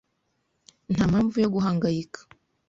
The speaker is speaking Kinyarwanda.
Nta mpamvu yo guhangayika.